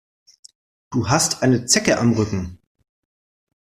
Du hast eine Zecke am Rücken.